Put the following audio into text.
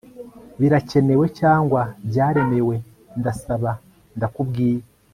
Birakenewe cyangwa byaremewe Ndasaba ndakubwiye